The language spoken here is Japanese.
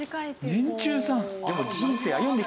年中さん。